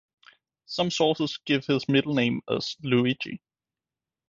Some sources give his middle name as Luigi.